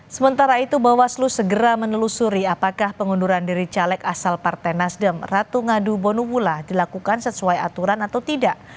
sementara itu bawaslu segera menelusuri apakah pengunduran diri caleg asal partai nasdem ratu ngadu bonubula dilakukan sesuai aturan atau tidak